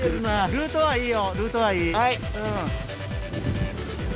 ルートはいい。